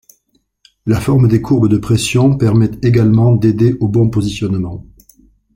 La forme des courbes de pression permet également d'aider au bon positionnement.